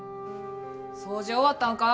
掃除終わったんか？